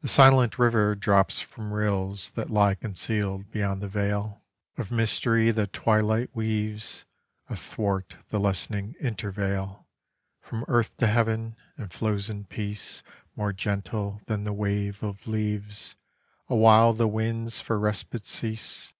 The silent river drops from rills That lie concealed beyond the veil 18 EVENING ON THE OHIO. Of mystery that twilight weaves Athwart the lessening intervale From earth to heaven, and flows in peace More gentle than the wave of leaves Awhile the winds for respit cease.